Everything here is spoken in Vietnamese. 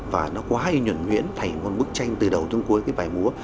và nó quá y nhuẩn nhuyễn thầy muốn bức tranh từ đầu đến cuối bài múa